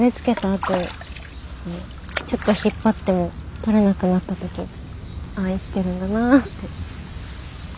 あとちょっと引っ張っても取れなくなった時あ生きてるんだなって。